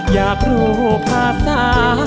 อยากรู้ภาษา